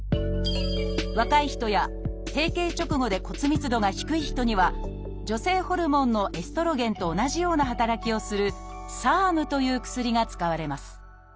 若い人や閉経直後で骨密度が低い人には女性ホルモンのエストロゲンと同じような働きをする「ＳＥＲＭ」という薬が使われます